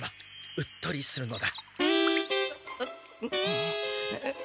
うっとりするのだ！